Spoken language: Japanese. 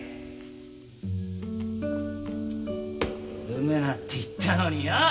産むなって言ったのによ！